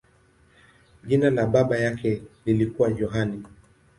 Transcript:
Jina la baba yake lilikuwa Yohane.